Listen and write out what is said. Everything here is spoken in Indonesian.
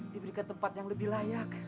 diberikan tempat yang lebih layak